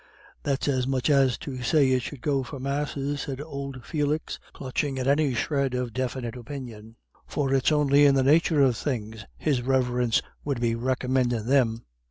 "That's as much as to say it should go for Masses," said old Felix, clutching at any shred of definite opinion, "for it's on'y in the nathur of things his Riverence 'ud be recommindin' thim."